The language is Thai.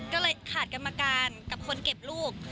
ก็เลยขาดกรรมการกับคนเก็บลูก